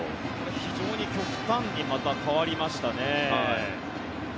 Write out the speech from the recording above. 非常にまた極端に変わりましたね。